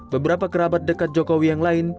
beberapa kerabat dekat jokowi yang lain